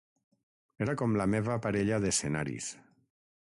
Era com la meva parella d’escenaris.